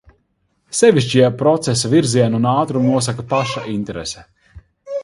Sevišķi, ja procesa virzienu un ātrumu nosaka paša interese.